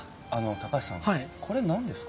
高橋さんこれ何ですか？